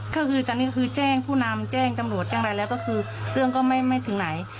ก็คือตอนนี้คือแจ้งผู้นำแจ้งตำรวจแจ้งอะไรแล้วก็คือเรื่องก็ไม่ถึงไหน